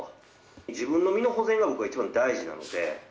自分の身の保全が僕は一番大事なので。